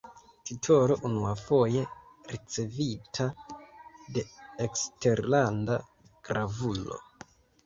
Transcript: Titolo unuafoje ricevita de eksterlanda gravulo.